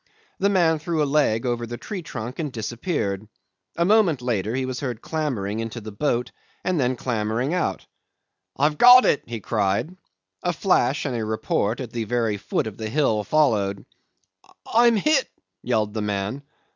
The man threw a leg over the tree trunk and disappeared. A moment later he was heard clambering into the boat and then clambering out. "I've got it," he cried. A flash and a report at the very foot of the hill followed. "I am hit," yelled the man.